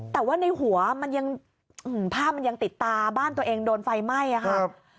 แต่ว่าในหัวมันยังภาพมันยังติดตาบ้านตัวเองโดนไฟไหม้อะค่ะ